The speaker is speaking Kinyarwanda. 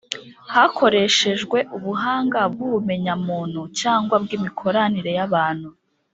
hakoreshejwe ubuhanga bw’ubumenyamuntu cyangwa bw’imikoranire y’abantu.